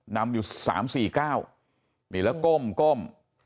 นำอยู่สามสี่เก้านี่แล้วก้ม